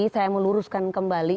saya mau luruskan kembali